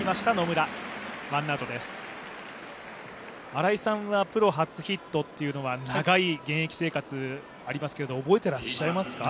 新井さんはプロ初ヒットというのは長い現役生活ありますけど覚えていらっしゃいますか？